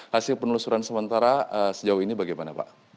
hasil penelusuran sementara sejauh ini bagaimana pak